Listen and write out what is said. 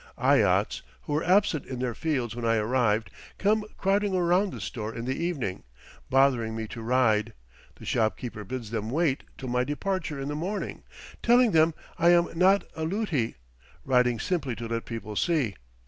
Eyots, who were absent in their fields when I arrived, come crowding around the store in the evening, bothering me to ride; the shop keeper bids them wait till my departure in the morning, telling them I am not a luti, riding simply to let people see.